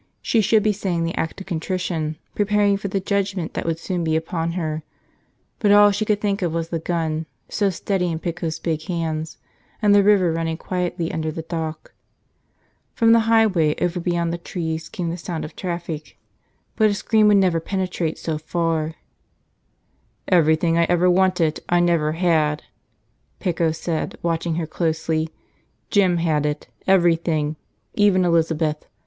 She should be saying the Act of Contrition, preparing for the judgment that would soon be upon her; but all she could think of was the gun, so steady in Pico's big hands, and the river running quietly under the dock. From the highway over beyond the trees came the sound of traffic. But a scream would never penetrate so far. "Everything I ever wanted, I never had," Pico said, watching her closely. "Jim had it. Everything. Even Elizabeth.